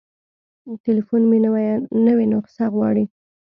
تليفون مې نوې نسخه غواړي.